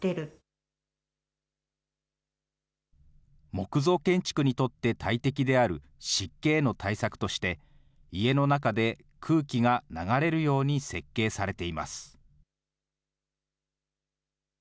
木造建築にとって大敵である湿気への対策として、家の中で空気が流れるように設計されています。